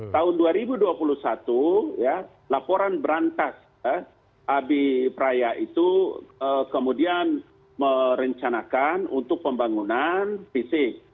tahun dua ribu dua puluh satu laporan berantas abipraya itu kemudian merencanakan untuk pembangunan fisik